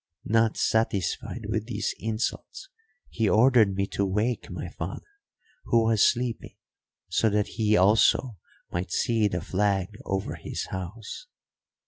Not satisfied with these insults, he ordered me to wake my father, who was sleeping, so that he also might see the flag over his house.